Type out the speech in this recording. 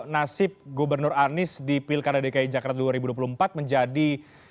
nasib gubernur anies di pilkada dki jakarta dua ribu dua puluh empat menjadi